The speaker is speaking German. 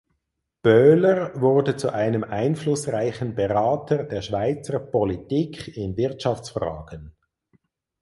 Böhler wurde zu einem einflussreichen Berater der Schweizer Politik in Wirtschaftsfragen.